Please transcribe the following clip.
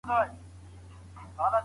بودیجه به څنګه زیاته سي؟